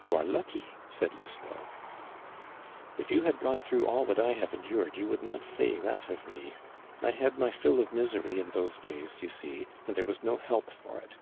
"You are lucky," said Lousteau. "If you had gone through all that I have endured, you would not say that of me. I had my fill of misery in those days, you see, and there was no help for it.